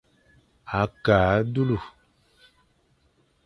Ake a dulu.